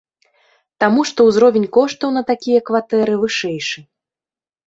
Таму што ўзровень коштаў на такія кватэры вышэйшы.